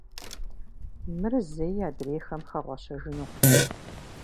Мыр зэи адрейхэм хэгъуэщэжынукъым.